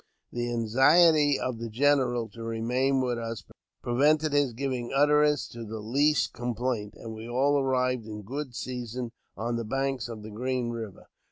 The anxiety of the general to remain with us prevented his giving utterance to the least complaint, and we all arrived in good season on the banks of Green Eiver.